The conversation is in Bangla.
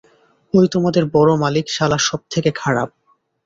ঐ তোমাদের বড় মালিক সালা সব থেকে খারাপ।